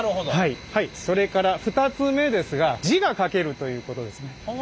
それから２つ目ですが字が書けるということですね。